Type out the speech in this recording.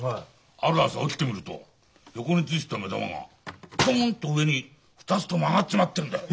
ある朝起きてみると横についてた目玉がポンと上に２つとも上がっちまってんだよ。